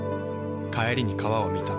帰りに川を見た。